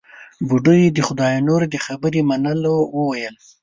بوډۍ د خداينور د خبرې منلو وويل.